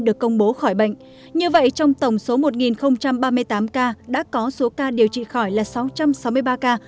được công bố khỏi bệnh như vậy trong tổng số một ba mươi tám ca đã có số ca điều trị khỏi là sáu trăm sáu mươi ba ca